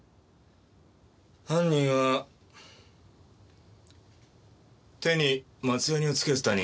犯人は手に松ヤニをつけてた人間だ。